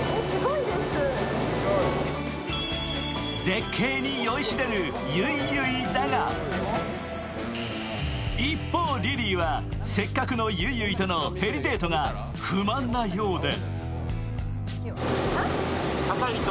絶景に酔いしれるゆいゆいだが一方、リリーはせっかくのゆいゆいとのヘリデートが不満なようで。